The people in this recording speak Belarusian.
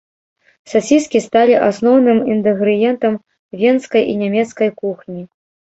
Сасіскі сталі асноўным інгрэдыентам венскай і нямецкай кухні.